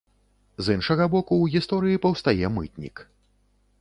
З іншага боку ў гісторыі паўстае мытнік.